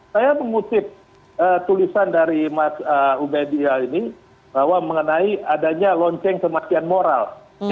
saya mengutip tulisan dari ubdl ini bahwa mengenai adanya lonceng kematian moral